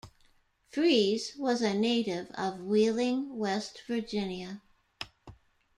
Freese was a native of Wheeling, West Virginia.